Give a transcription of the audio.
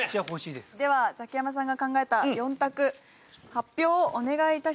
ではザキヤマさんが考えた４択発表をお願い致します。